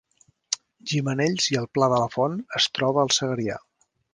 Gimenells i el Pla de la Font es troba al Segrià